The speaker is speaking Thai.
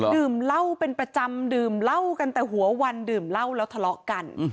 ดื่มเหล้าเป็นประจำดื่มเหล้ากันแต่หัววันดื่มเหล้าแล้วทะเลาะกัน